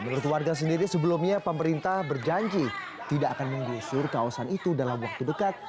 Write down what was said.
menurut warga sendiri sebelumnya pemerintah berjanji tidak akan menggusur kawasan itu dalam waktu dekat